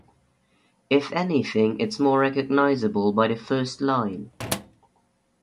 If anything it’s more recognizable by the first line.